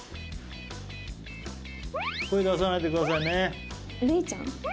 声出さないでくださいね。